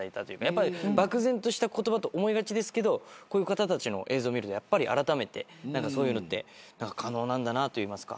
やっぱり漠然とした言葉と思いがちですけどこういう方たちの映像を見るとやっぱりあらためてそういうのって可能なんだなといいますか。